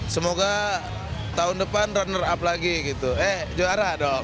semoga tahun depan runner up lagi gitu eh juara dong